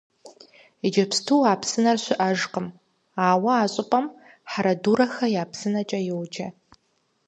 Иджыпсту а псынэр щытыжкъым, ауэ а щӀыпӀэм «Хьэрэдурэхэ я псынэкӀэ» йоджэ.